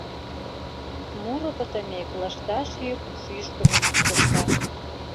Муро пытымек, лышташ йӱк, шӱшкымӧ йӱк шокта.